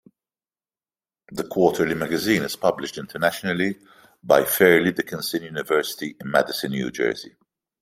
The quarterly magazine is published internationally by Fairleigh Dickinson University in Madison, New Jersey.